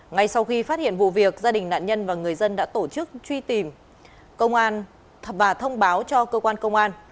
ngay sau khi phát hiện vụ việc gia đình nạn nhân và người dân đã tổ chức truy tìm công an và thông báo cho cơ quan công an